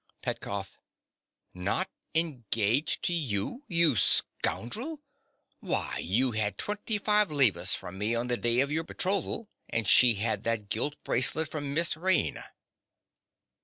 PETKOFF. Not engaged to you, you scoundrel! Why, you had twenty five levas from me on the day of your betrothal; and she had that gilt bracelet from Miss Raina.